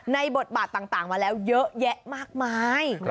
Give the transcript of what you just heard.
บทบาทต่างมาแล้วเยอะแยะมากมาย